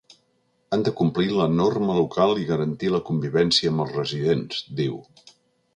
Han de complir la norma local i garantir la convivència amb els residents, diu.